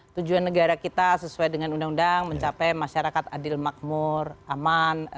tujuan negara kita sesuai dengan undang undang mencapai masyarakat adil makmur aman